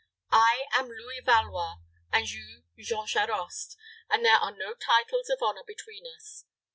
I am Louis Valois, and you Jean Charost, and there are no titles of honor between us.